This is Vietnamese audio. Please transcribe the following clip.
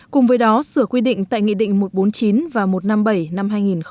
cùng với đó sửa quy định tại nghị định một trăm bốn mươi chín và một trăm năm mươi bảy năm hai nghìn một mươi